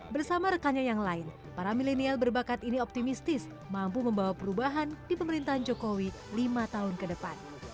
bersama rekannya yang lain para milenial berbakat ini optimistis mampu membawa perubahan di pemerintahan jokowi lima tahun ke depan